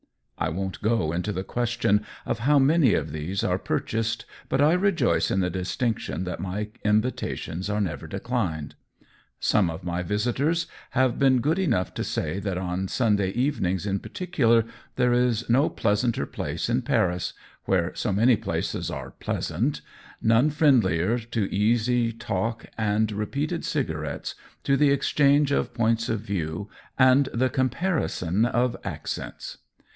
I won't go into the question of how many of these are purchased, but I rejoice in the distinction that my invitations are never declined. Some of my visitors have been good enough to say that on Sunday even ings in particular there is no pleasanter place in Paris — where so many places are pleasant — none friendlier to easy talk and repeated cigarettes, to the exchange of points of view and the comparison of ac 5 943B ICX) COLLABORATION cents.